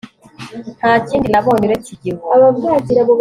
Nta kindi nabonye uretse igihu